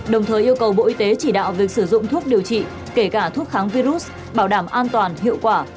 đồng thời yêu cầu bộ y tế chỉ đạo việc sử dụng thuốc điều trị kể cả thuốc kháng virus bảo đảm an toàn hiệu quả